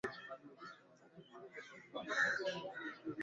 tangu miaka ya elfu moja mia tisa tisini na kuua raia wengi ambapo wengi wao ni